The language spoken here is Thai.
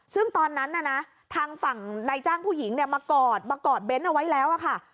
ซึ่งตอนนั้นน่ะนะทางฝั่งนายจ้างผู้หญิงเนี่ยมากอดมากอดเน้นเอาไว้แล้วค่ะ